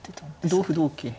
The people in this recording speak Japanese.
同歩同桂。